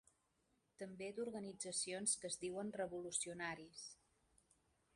També d’organitzacions que es diuen revolucionaris.